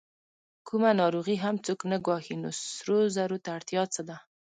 کومه ناروغي هم څوک نه ګواښي، نو سرو زرو ته اړتیا څه ده؟